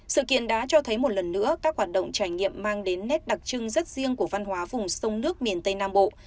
sự kiện đã cho thấy một lần nữa các hoạt động trải nghiệm mang đến nét đặc trưng rất riêng của văn hóa vùng sông nước miền tây nam bộ